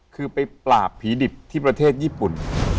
คือไปปราบผีดิบที่ประเทศญี่ปุ่น